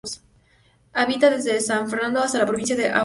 Habita desde San Fernando hasta la Provincia de Arauco.